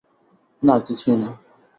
না, কিছুই না।